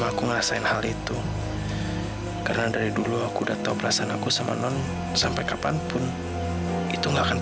aku yakin tuhan pasti akan berhasil yang terbaik buat non ini man